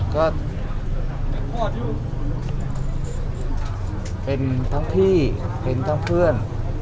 ก็เป็นทั้งพี่เป็นทั้งเพื่อน